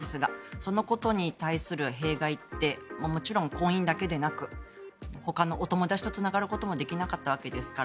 当然感染予防にはなったわけですがそのことに対する弊害ってもちろん婚姻だけでなくほかの、お友達とつながることもできなかったわけですから。